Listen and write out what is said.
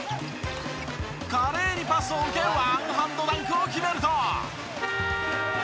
華麗にパスを受けワンハンドダンクを決めると。